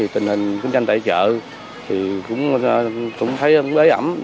tình hình tình trạng tại chợ cũng thấy ế ẩm